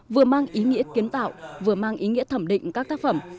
vừa mang ý nghĩa kiến tạo vừa mang ý nghĩa thẩm định các tác phẩm